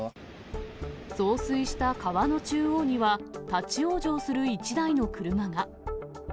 増水した川の中央には、立往生する１台の車が。